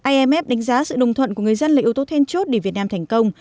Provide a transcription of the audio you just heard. imf đánh giá sự đồng thuận của người dân là yếu tố then chốt để việt nam thành công